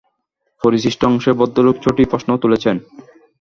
পরিশিষ্ট অংশে ভদ্রলোক ছটি প্রশ্ন তুলেছেন।